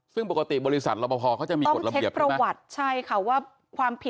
ซึ่งปกติบริษัทรอปภเขาจะมีผิดต้องเช็คประวัติ